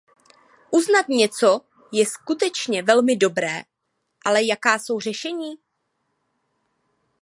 Uznat něco je skutečně velmi dobré, ale jaká jsou řešení?